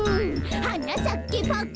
「はなさけパッカン」